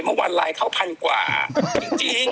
เมื่อวานไลน์เข้าพันกว่าจริง